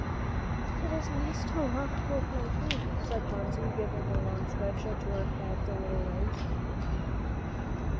"It is nice to walk with my feet," said Phronsie, giving a long stretch to her fat little legs.